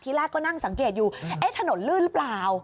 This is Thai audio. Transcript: แรกก็นั่งสังเกตอยู่เอ๊ะถนนลื่นหรือเปล่า